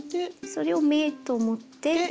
それを目と思って。